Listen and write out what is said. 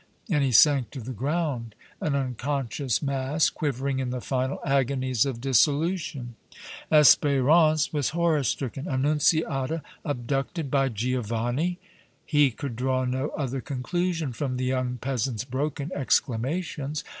and he sank to the ground an unconscious mass, quivering in the final agonies of dissolution. Espérance was horror stricken. Annunziata abducted by Giovanni! He could draw no other conclusion from the young peasant's broken exclamations!